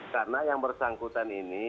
karena yang bersangkutan ini